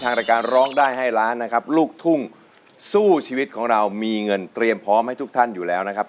รายการร้องได้ให้ล้านนะครับลูกทุ่งสู้ชีวิตของเรามีเงินเตรียมพร้อมให้ทุกท่านอยู่แล้วนะครับ